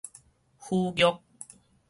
府玉